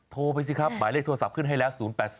โทรไปสิครับหมายเลขโทรศัพท์ขึ้นให้แล้ว๐๘๐